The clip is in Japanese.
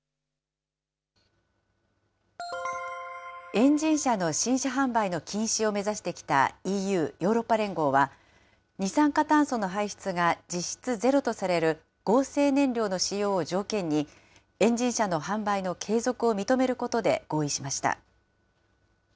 エンジン車の新車販売の禁止を目指してきたＥＵ・ヨーロッパ連合は、二酸化炭素の排出が実質ゼロとされる合成燃料の使用を条件に、エンジン車の販売の継続を認めることで合意しました。